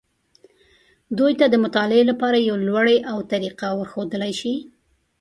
دوی ته د مطالعې لپاره یو لوری او طریقه ورښودلی شي.